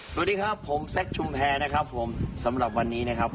สวัสดีครับผมแซคชุมแพรนะครับผมสำหรับวันนี้นะครับ